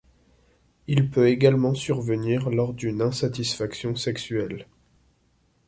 Il peut également survenir lors d'une insatisfaction sexuelle.